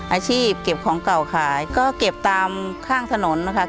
อาชีพเก็บของเก่าขายก็เก็บตามข้างถนนนะคะ